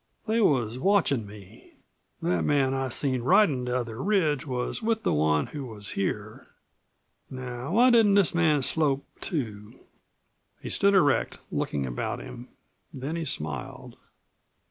"They was watchin' me. That man I seen ridin' that other ridge was with the one who was here. Now why didn't this man slope too?" He stood erect, looking about him. Then he smiled.